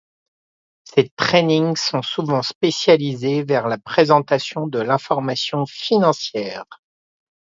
Ces trainings sont souvent spécialisés vers la présentation de l'information financière.